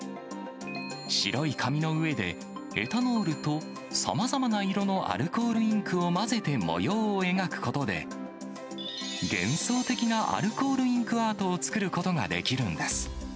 白い紙の上で、エタノールとさまざまな色のアルコールインクを混ぜて模様を描くことで、幻想的なアルコールインクアートを作ることができるんです。